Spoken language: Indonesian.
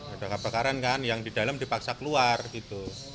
ada kebakaran kan yang di dalam dipaksa keluar gitu